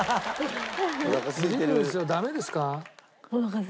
ダメですか？